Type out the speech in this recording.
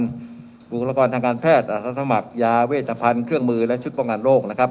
อุปกรณ์ทางการแพทย์อาสาสมัครยาเวชภัณฑ์เครื่องมือและชุดป้องกันโรคนะครับ